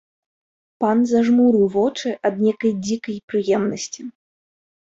Пан зажмурыў вочы ад нейкай дзікай прыемнасці.